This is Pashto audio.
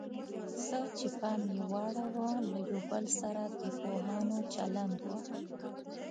څه چې پام یې واړاوه له یو بل سره د پوهانو چلند و.